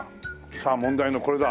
さあ問題のこれだ。